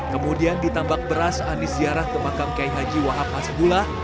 kemudian di tambak beras anies ziarah ke makam kiai haji wahab mas gula